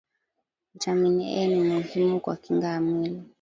vitamin A ni muhimu kwakinga ya mwili